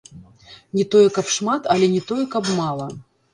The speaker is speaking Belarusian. Не тое, каб шмат, але не тое, каб мала.